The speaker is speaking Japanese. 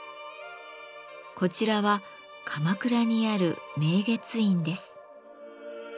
こちらは鎌倉にある明月院です。